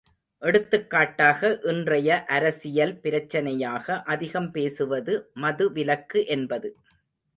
எடுத்துக் காட்டாக இன்றைய அரசியல் பிரச்சனையாக அதிகம் பேசுவது மது விலக்கு என்பது.